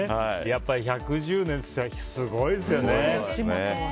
やっぱり１１０年っていったらすごいですよね。